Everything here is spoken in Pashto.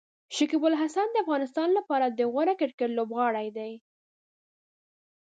شکيب الحسن د افغانستان لپاره د غوره کرکټ لوبغاړی دی.